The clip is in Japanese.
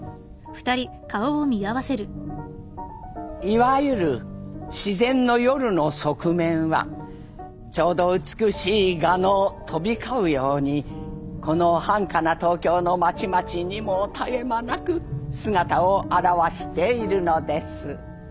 「いわゆる『自然の夜の側面』はちょうど美しい蛾の飛び交うようにこの繁華な東京の町々にも絶え間なく姿を現しているのです」。